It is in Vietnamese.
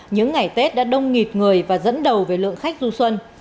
những ngày tết đã đông nghịt người và dẫn đầu về lượng khách du xuân